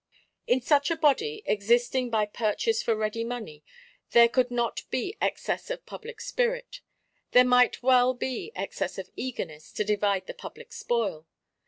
In such a Body, existing by purchase for ready money, there could not be excess of public spirit; there might well be excess of eagerness to divide the public spoil.